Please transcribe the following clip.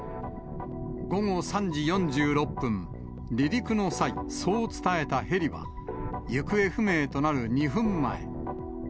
午後３時４６分、離陸の際、そう伝えたヘリは、行方不明となる２分前。